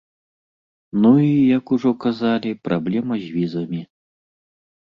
Ну і, як ужо сказалі, праблема з візамі.